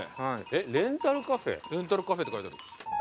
レンタルカフェって書いてある。